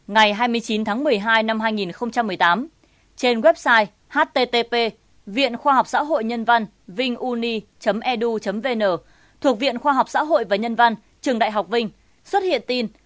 ngày hai mươi chín tháng một mươi hai năm hai nghìn một mươi tám trên website http viện khoa học xã hội nhân văn vinhuni edu vn thuộc viện khoa học xã hội và nhân văn trường đại học vinh xuất hiện tin